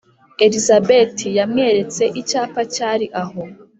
Elizabeth yamweretse icyapa cyari aho